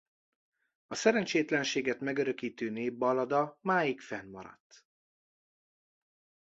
A szerencsétlenséget megörökítő népballada máig fennmaradt.